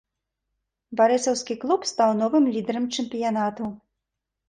Барысаўскі клуб стаў новым лідарам чэмпіянату.